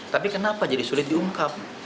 tapi kenapa jadi sulit diungkap